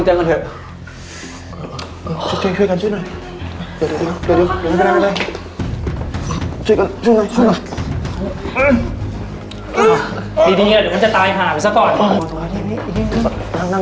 เดี๋ยวมันจะตายหายไปซะก่อน